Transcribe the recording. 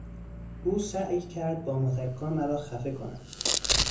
او سعی کرد با متکا مرا خفه کند.